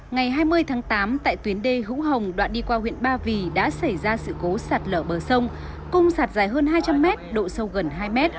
ngày hai mươi tháng tám tại tuyến đê hữu hồng đoạn đi qua huyện ba vì đã xảy ra sự cố sạt lở bờ sông cung sạt dài hơn hai trăm linh m độ sâu gần hai m